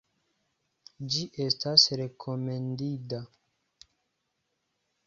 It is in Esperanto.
Ĝi estas rekomendinda.